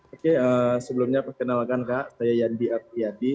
oke sebelumnya perkenalkan kak saya yandi apriyadi